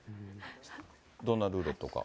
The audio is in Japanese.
どんなルーレットか。